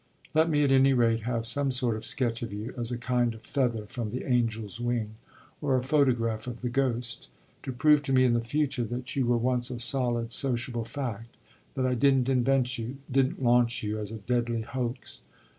Let me at any rate have some sort of sketch of you as a kind of feather from the angel's wing or a photograph of the ghost to prove to me in the future that you were once a solid sociable fact, that I didn't invent you, didn't launch you as a deadly hoax.